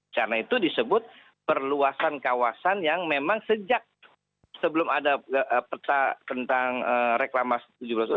karena itu disebut perluasan kawasan yang memang sejak sebelum ada peta tentang reklamasi tujuh belas pulau